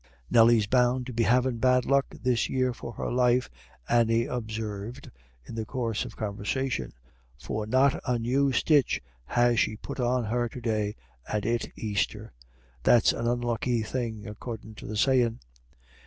"Nelly's bound to be havin' bad luck this year of her life," Annie observed in the course of conversation, "for not a new stitch has she put on her to day, and it Easter. That's an unlucky thing, accordin' to the sayin'."